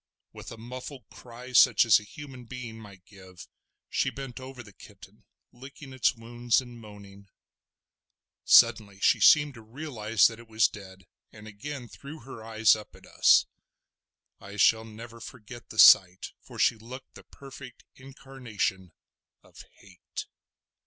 With a muffled cry, such as a human being might give, she bent over the kitten licking its wounds and moaning. Suddenly she seemed to realise that it was dead, and again threw her eyes up at us. I shall never forget the sight, for she looked the perfect incarnation of hate.